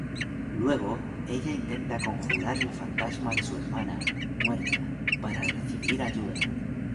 Luego, ella intenta conjurar el fantasma de su hermana muerta para recibir ayuda.